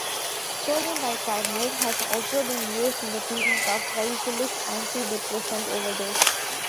Sodium bicarbonate has also been used in the treatment of tricyclic antidepressant overdose.